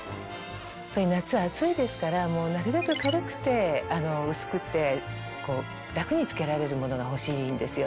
夏は暑いですからなるべく軽くて薄くて楽に着けられるものが欲しいんですよね。